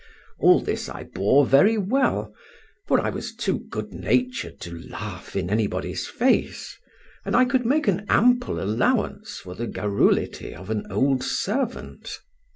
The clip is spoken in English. All this I bore very well, for I was too good natured to laugh in anybody's face, and I could make an ample allowance for the garrulity of an old servant.